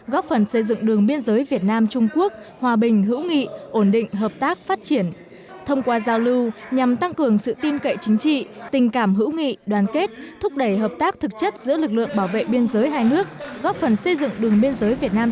góp phần xây dựng đường biên giới việt nam trung quốc hòa bình hữu nghị ổn định hợp tác phát triển